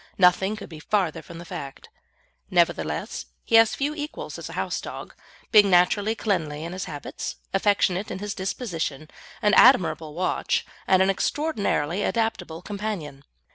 Nothing could be further from the fact. Nevertheless, he has few equals as a house dog, being naturally cleanly in his habits, affectionate in his disposition, an admirable watch, and an extraordinarily adaptable companion.